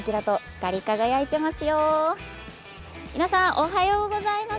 おはようございます。